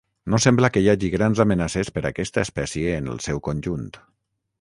No sembla que hi hagi grans amenaces per aquesta espècie en el seu conjunt.